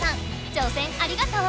挑戦ありがとう。